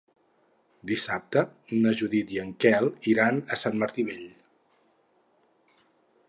Dissabte na Judit i en Quel iran a Sant Martí Vell.